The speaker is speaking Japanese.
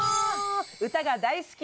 歌が大好き！